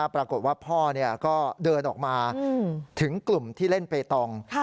ปรากฏว่าพ่อก็เดินออกมาถึงกลุ่มที่เล่นเปตอง